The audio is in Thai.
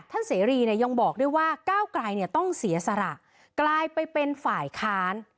เสรีเนี่ยยังบอกด้วยว่าก้าวไกลเนี่ยต้องเสียสละกลายไปเป็นฝ่ายค้าน